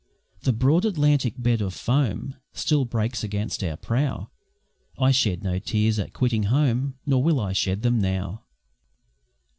The broad Atlantic's bed of foam Still breaks against our prow; I shed no tears at quitting home, Nor will I shed them now!